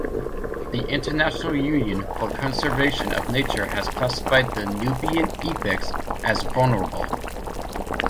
The International Union for Conservation of Nature has classified the Nubian ibex as "vulnerable".